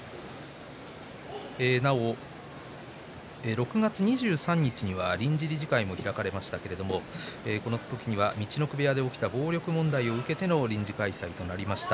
６月２３日には臨時理事会が開かれましたがこの時には陸奥部屋で起きた暴力問題を受けての臨時開催となりました。